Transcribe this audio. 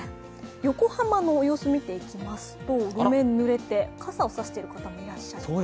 横浜の様子、見ていきますと、路面、ぬれて傘を差している方もいらっしゃる。